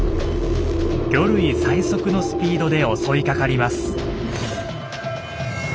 魚類最速のスピードで襲いかかります。